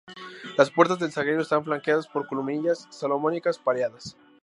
Las puertas del sagrario están flanqueadas por columnillas salomónicas pareadas.